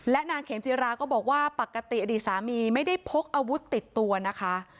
นางเขมจิราก็บอกว่าปกติอดีตสามีไม่ได้พกอาวุธติดตัวนะคะ